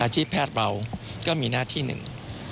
ชีพแพทย์เราก็มีหน้าที่หนึ่ง